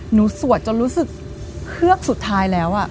สวดจนรู้สึกเฮือกสุดท้ายแล้ว